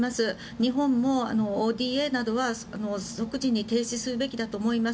日本もＯＤＡなどは即時に停止すべきだと思います。